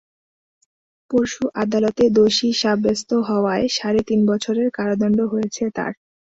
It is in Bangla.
পরশু আদালতে দোষী সাব্যস্ত হওয়ায় সাড়ে তিন বছরের কারাদণ্ড হয়েছে তাঁর।